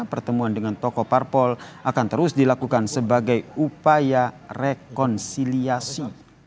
pertemuan dengan tokoh parpol akan terus dilakukan sebagai upaya rekonsiliasi